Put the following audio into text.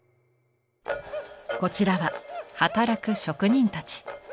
こちらは働く職人たち。